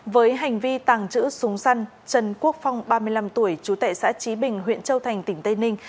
với hành vi tàng trữ súng săn trần quốc phong ba mươi năm tuổi chú tệ xã trí bình huyện châu thành tỉnh tây ninh